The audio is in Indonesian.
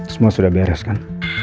semua sudah beres kan